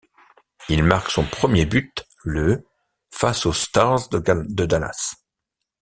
Il marque son premier but le face aux Stars de Dallas.